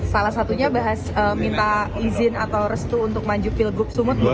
salah satunya bahas minta izin atau restu untuk maju pilgub sumut